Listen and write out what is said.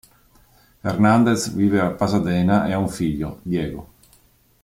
Hernández vive a Pasadena e ha un figlio, Diego.